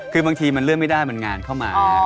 คือบางทีมันเลื่อนไม่ได้มันงานเข้ามา